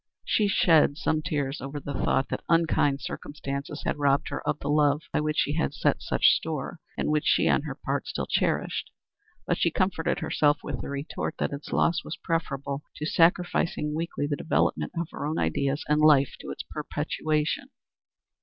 She shed some tears over the thought that unkind circumstances had robbed her of the love by which she had set such store and which she, on her part, still cherished, but she comforted herself with the retort that its loss was preferable to sacrificing weakly the development of her own ideas and life to its perpetuation.